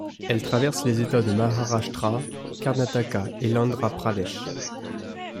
Elle traverse les États de Maharashtra, Karnataka et l'Andhra Pradesh.